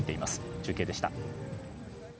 中継でした。